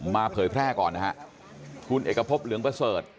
เผยแพร่ก่อนนะฮะคุณเอกพบเหลืองประเสริฐ